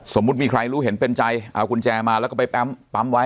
สมมุติมีใครรู้เห็นเป็นใจเอากุญแจมาแล้วก็ไปปั๊มไว้